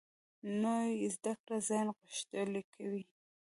نوې زده کړه ذهن غښتلی کوي